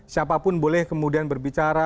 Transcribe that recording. siapapun boleh kemudian berbicara